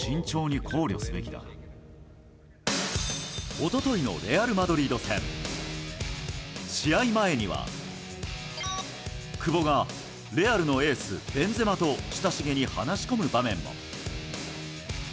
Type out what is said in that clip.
一昨日のレアル・マドリード戦試合前には、久保がレアルのエース、ベンゼマと親しげに話し込む場面も。